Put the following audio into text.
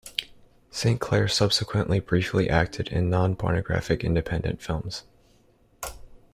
Saint Claire subsequently briefly acted in non-pornographic independent films.